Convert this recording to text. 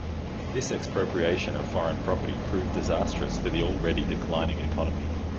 This expropriation of foreign property proved disastrous for the already declining economy.